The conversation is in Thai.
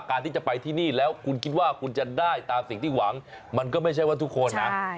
การที่จะไปที่นี่แล้วคุณคิดว่าคุณจะได้ตามสิ่งที่หวังมันก็ไม่ใช่ว่าทุกคนนะ